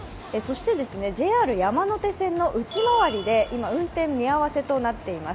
ＪＲ山手線の内回りで今、運転見合わせとなっています。